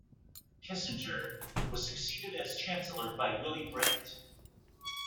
Kiesinger was succeeded as Chancellor by Willy Brandt.